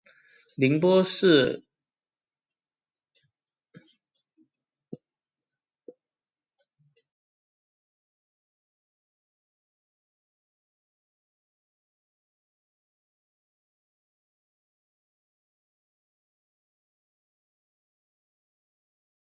宁波市鄞州区图书馆亦附设于此馆。